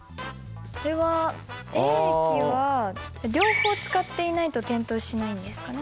これはＡ駅は両方使っていないと点灯しないんですかね。